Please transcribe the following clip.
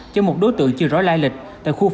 cho một đối tượng chưa rõ lai lịch